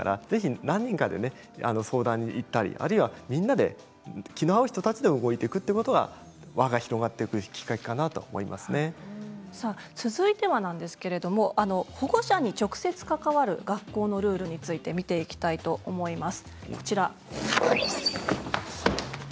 何人かで相談に行ったりみんなで気の合う人たちと動いていくということが輪が広がっていく続いては保護者に直接関わる学校のルールについて見ていきたいと思います。